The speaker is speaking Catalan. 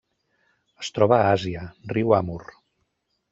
Es troba a Àsia: riu Amur.